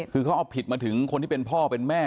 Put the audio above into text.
คือเขาเอาผิดมาถึงคนที่เป็นพ่อเป็นแม่